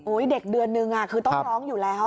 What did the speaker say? เด็กเดือนนึงคือต้องร้องอยู่แล้ว